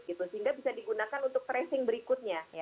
sehingga bisa digunakan untuk tracing berikutnya